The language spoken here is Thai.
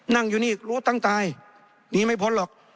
นั่งอยู่นี่รู้ตั้งตายหนีไม่พ้นหรอก